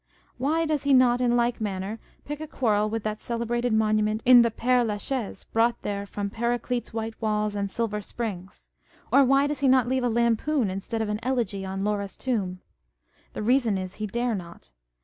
Why does he not, in like manner, pick a quarrel with that celebrated monument in the Pere la Chaise, brought there From Paraclete's white walls and silver springs ; or why does he not leave a lampoon, instead of an elegy, on Laura's tomb ? The reason is, he dare not.